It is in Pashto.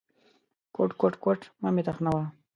_کوټ، کوټ، کوټ… مه مې تخنوه.